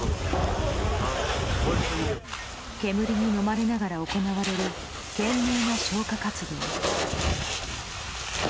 煙にのまれながら行われる懸命な消火活動。